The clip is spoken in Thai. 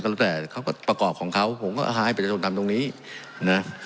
แล้วแล้วแต่ประกอบของเขาผมก็หาให้ไปจนทำตรงนี้นะ